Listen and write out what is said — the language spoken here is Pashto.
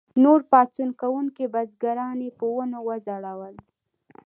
نور پاڅون کوونکي بزګران یې په ونو وځړول.